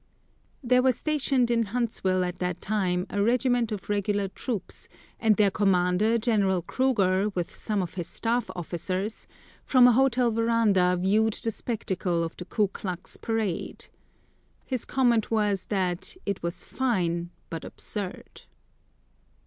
There was stationed in Hunstville at that time a regiment of regular troops, and their commander, General Cruger, with some of his staff officers, from a hotel veranda viewed the spectacle of the Ku Klux parade. His comment was that "it was fine but absurd."